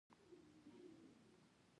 د بیت الله شریف څنګ کې د نفل موقع شوه.